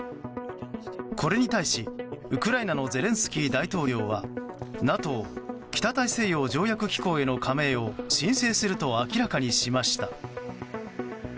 これに対し、ウクライナのゼレンスキー大統領はＮＡＴＯ・北大西洋条約機構への加盟を申請すると明らかにしました。